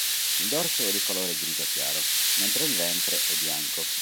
Il dorso è di colore grigio chiaro, mentre il ventre è bianco.